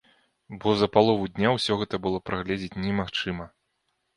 Бо за палову дня ўсё гэта было прагледзець немагчыма.